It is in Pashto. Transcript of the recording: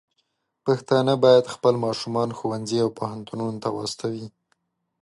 پښتانه بايد خپل ماشومان ښوونځي او پوهنتونونو ته واستوي.